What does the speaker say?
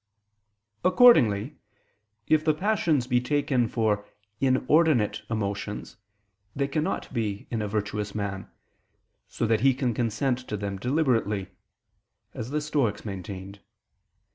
Accordingly, if the passions be taken for inordinate emotions, they cannot be in a virtuous man, so that he consent to them deliberately; as the Stoics maintained.